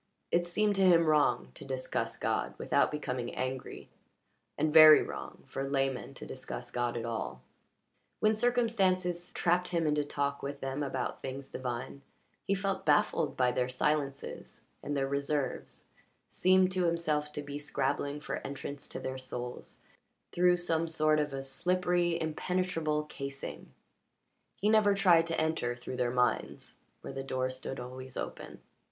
It seemed to him wrong to discuss God without becoming angry, and very wrong for laymen to discuss God at all. When circumstances trapped him into talk with them about things divine, he felt baffled by their silences and their reserves, seemed to himself to be scrabbling for entrance to their souls through some sort of a slippery, impenetrable casing; he never tried to enter through their minds, where the door stood always open.